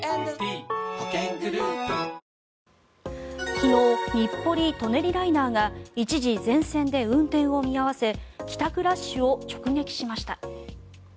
昨日日暮里・舎人ライナーが一時全線で運転を見合わせ帰宅ラッシュを直撃しました。